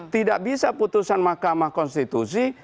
tidak bisa putusan mahkamah konstitusi